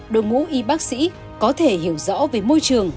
đội ngũ y bác sĩ có thể hiểu rõ về môi trường